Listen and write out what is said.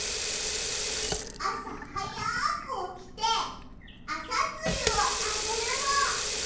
あさはやくおきてアサツユをあげるの。